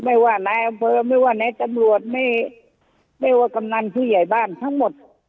ไม่ว่าไหนเอาเพิ่มไม่ว่าไหนจังหวัดไม่ไม่ว่ากำนันผู้ใหญ่บ้านทั้งหมด